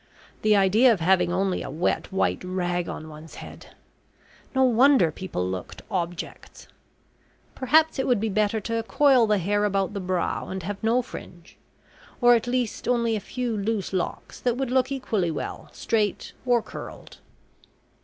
The idea of having only a wet, white rag on one's head! No wonder people looked "objects!" Perhaps it would be better to coil the hair about the brow and have no fringe, or at least only a few loose locks that would look equally well, straight or curled.